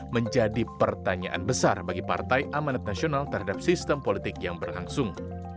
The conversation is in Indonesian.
menjadi pertanyaan besar bagi partai amanat nasional terhadap sistem politik yang berlangsung